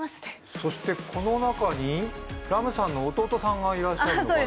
そしてこの中に来夢さんの弟さんがいらっしゃるのかな？